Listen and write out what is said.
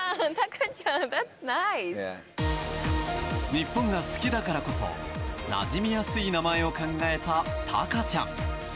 日本が好きだからこそなじみやすい名前を考えた鷹ちゃん。